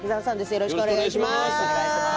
よろしくお願いします。